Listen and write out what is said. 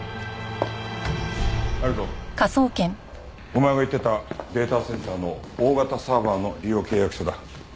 お前が言ってたデータセンターの大型サーバーの利用契約書だ。